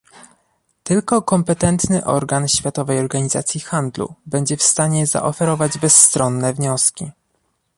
Tylko kompetentny organ Światowej Organizacji Handlu będzie w stanie zaoferować bezstronne wnioski